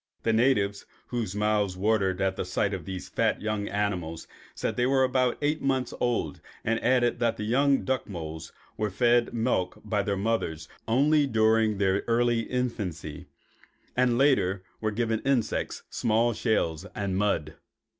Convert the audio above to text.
The natives, whose mouths watered at the sight of these fat young animals, said that they were about eight months old, and added that the young duck moles were fed milk by their mother only during their early infancy and later were given insects, small shells, and mud.